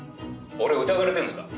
「俺疑われてるんですか？